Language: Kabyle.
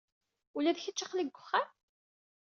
Ula d kečč aql-ik deg uxxam?